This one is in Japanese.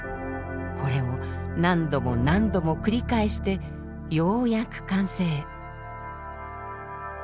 これを何度も何度も繰り返してようやく完成。